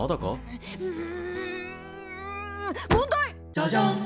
「ジャジャン」